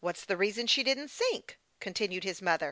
What's the reason she didn't sink ?" continued his mother.